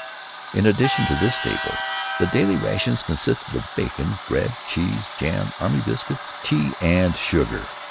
In addition to this staple, the daily rations consisted of bacon, bread, cheese, jam, army biscuits, tea, and sugar.